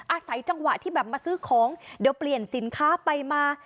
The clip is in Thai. อาศัยจังหวะที่แบบมาซื้อของเดี๋ยวเปลี่ยนสินค้าไปมา